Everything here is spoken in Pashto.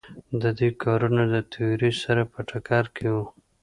د دوی کارونه له تیورۍ سره په ټکر کې وو.